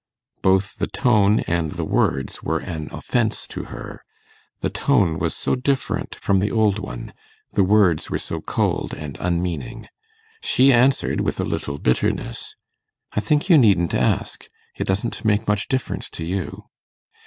Both the tone and the words were an offence to her; the tone was so different from the old one, the words were so cold and unmeaning. She answered, with a little bitterness, 'I think you needn't ask. It doesn't make much difference to you.